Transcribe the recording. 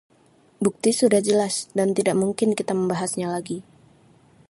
bukti sudah jelas dan tidak mungkin kita membahasnya lagi